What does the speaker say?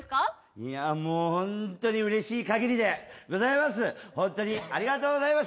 いやもう本当に嬉しいかぎりでございます